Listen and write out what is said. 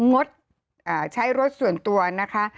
งดใช้รถส่วนตัวนะคะ